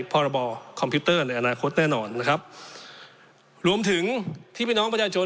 พรบคอมพิวเตอร์ในอนาคตแน่นอนนะครับรวมถึงที่พี่น้องประชาชน